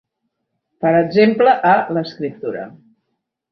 Per exemple, a l'escriptura.